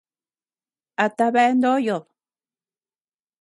¿A tabea ndoyod?